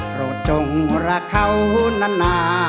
โปรดจงรักเขานาน